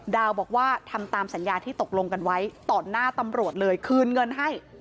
ดาวบอกว่าทำตามสัญญาที่ตกลงกันไว้ต่อหน้าตำรวจเลยคืนเงินให้